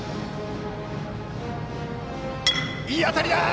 いい当たりだ！